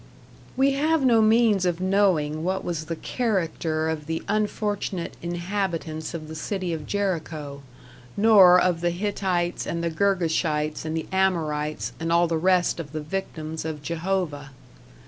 We have no means of knowing what was the character of the unfortunate inhabitants of the city of Jericho, nor of the Hittites and the Girgashites and the Amorites and all the rest of the victims of Jehovah.